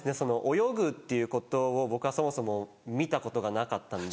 泳ぐっていうことを僕はそもそも見たことがなかったんで。